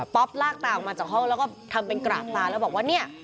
ลากตาออกมาจากห้องแล้วก็ทำเป็นกราบตาแล้วบอกว่าเนี่ย